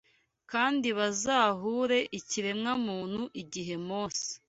kandi bazahure ikiremwamuntu Igihe Mose